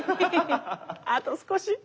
あと少し。